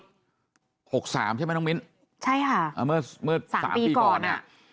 หกสามใช่ไหมน้องมิ้นใช่ค่ะอ่าเมื่อเมื่อสามปีก่อนเนี่ย